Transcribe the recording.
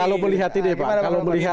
kalau melihat ini pak